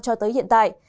cho tới hiện tại